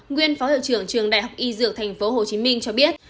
nguyên phó hiệu trưởng trường đại học y dược tp hcm cho biết